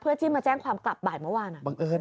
ที่มาแจ้งความกลับบ่ายเมื่อวาน